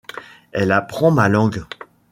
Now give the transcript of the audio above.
Elle apprend ma langue.